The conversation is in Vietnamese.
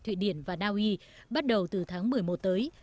thụy điển và naui bắt đầu từ tháng một mươi một tới